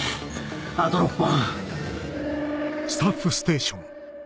あと６本。